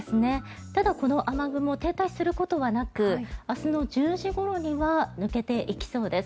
ただ、この雨雲停滞することはなく明日の１０時ごろには抜けていきそうです。